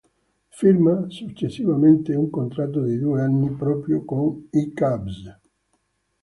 Firma successivamente un contratto di due anni proprio con i Cavs.